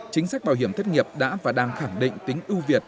chính sách bảo hiểm thất nghiệp đã và đang khẳng định tính ưu việt